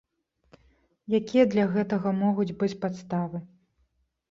Якія для гэтага могуць быць падставы?